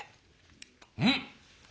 うん！